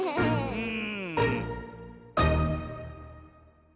うん。